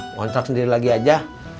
ngontrak sendiri lagi aja